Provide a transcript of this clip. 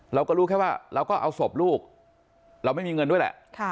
เราก็รู้แค่ว่าเราก็เอาศพลูกเราไม่มีเงินด้วยแหละ